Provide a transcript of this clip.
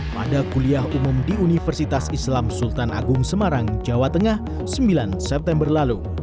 pada kuliah umum di universitas islam sultan agung semarang jawa tengah sembilan september lalu